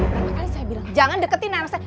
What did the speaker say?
pertama kali saya bilang jangan deketin anak saya